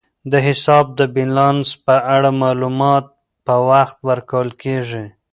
د حساب د بیلانس په اړه معلومات په وخت ورکول کیږي.